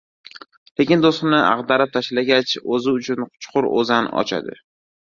lekin to‘siqni ag‘darib tashlagach, o‘zi uchun chuqur o‘zan ochadi.